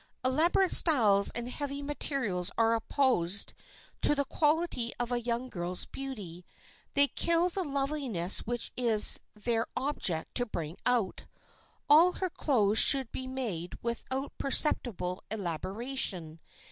Elaborate styles and heavy materials are opposed to the quality of a young girl's beauty. They kill the loveliness which it is their object to bring out. All her clothes should be made without perceptible elaboration.